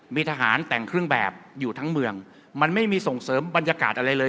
มีทหารแต่งเครื่องแบบอยู่ทั้งเมืองมันไม่มีส่งเสริมบรรยากาศอะไรเลย